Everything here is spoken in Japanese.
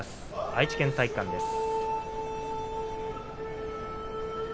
愛知県体育館です。